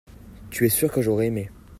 tu es sûr que j'aurais aimé.